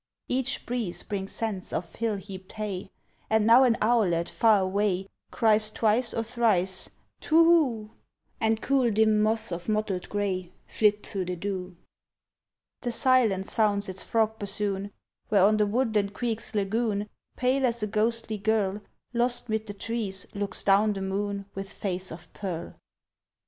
Each breeze brings scents of hill heaped hay; And now an owlet, far away, Cries twice or thrice, "Twohoo;" And cool dim moths of mottled gray Flit through the dew. The silence sounds its frog bassoon, Where on the woodland creek's lagoon, Pale as a ghostly girl Lost 'mid the trees, looks down the moon With face of pearl.